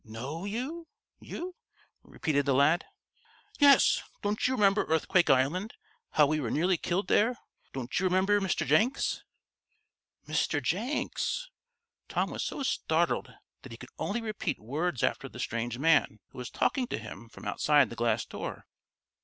"Know you you?" repeated the lad. "Yes don't you remember Earthquake Island how we were nearly killed there don't you remember Mr. Jenks?" "Mr. Jenks?" Tom was so startled that he could only repeat words after the strange man, who was talking to him from outside the glass door.